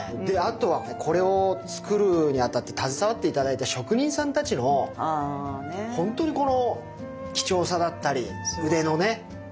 であとはこれを作るにあたって携わって頂いた職人さんたちのほんとにこの貴重さだったり腕のね。